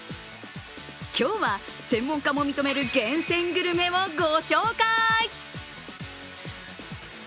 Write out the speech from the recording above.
今日は、専門家も認める厳選グルメをご紹介。